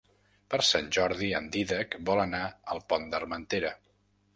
Per Sant Jordi en Dídac vol anar al Pont d'Armentera.